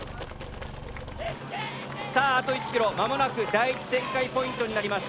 さああと１ｋｍ間もなく第１旋回ポイントになります。